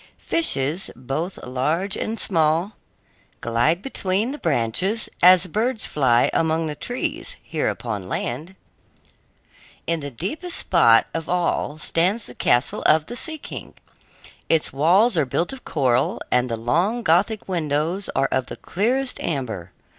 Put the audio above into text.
Fishes, both large and small, glide between the branches as birds fly among the trees here upon land. In the deepest spot of all stands the castle of the Sea King. Its walls are built of coral, and the long Gothic windows are of the clearest amber.